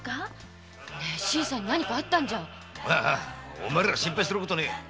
お前ら心配することはねえ。